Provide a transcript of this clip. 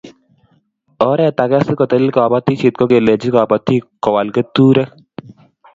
Oret ag'e si kotelel kabatishet ko kelechi kabatik ko wal keturek